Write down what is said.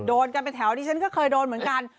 โดนกันไปแถวนี้ฉันก็เคยโดนเหมือนกัน